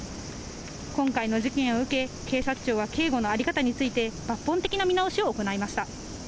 今回の事件を受け、警察庁は警護の在り方について、抜本的な見直しを行いました。